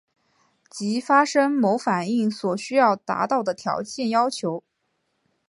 即发生某反应所需要达到的条件要求。